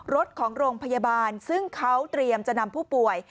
รถของโรงพยาบาลซึ่งเขาเตรียมจะนำผู้ป่วย